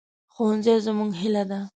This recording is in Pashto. ښوونځی زموږ هیله ده